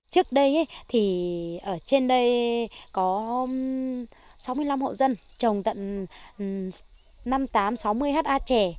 trước đây trên đây có sáu mươi năm hộ dân trồng tận năm mươi sáu mươi ha chè